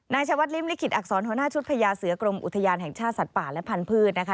ชาววัดริมลิขิตอักษรหัวหน้าชุดพญาเสือกรมอุทยานแห่งชาติสัตว์ป่าและพันธุ์นะคะ